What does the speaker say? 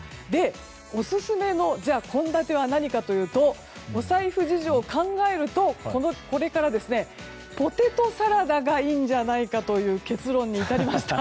オススメの献立は何かというとお財布事情を考えるとポテトサラダがいいんじゃないかという結論に至りました。